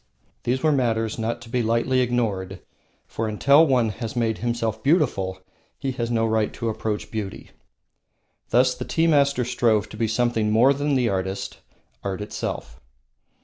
These were matters not to be lightly ignored, for until one has made himself beautiful he has no right to approach beauty. Thus the tea master strove to be something more than the artist, art itself.